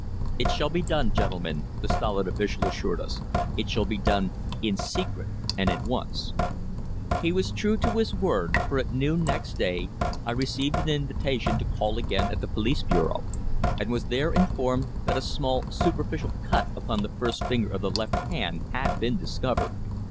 "It shall be done, gentlemen," the stolid official assured us. "It shall be done in secret and at once." He was true to his word, for at noon next day I received an invitation to call again at the Police Bureau, and was there informed that a small superficial cut upon the first finger of the left hand had been discovered.